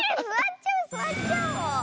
ちゃおうすわっちゃおう！